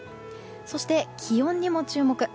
そして、気温にも注目。